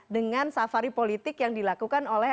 dengan safari politik yang dilakukan oleh